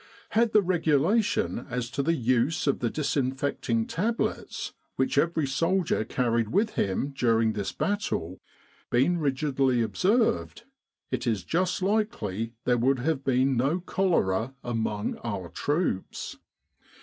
Had the regulation as to the use of the disinfecting tablets, which every soldier carried with him during this battle, been rigidly observed, it is just likely there would have been no cholera among our troops.